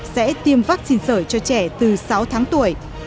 sẽ tiêm vaccine sởi cho trẻ từ sáu tháng tuổi